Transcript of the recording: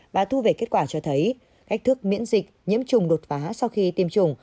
và thu về kết quả cho thấy cách thức miễn dịch nhiễm trùng đột phá sau khi tiêm chủng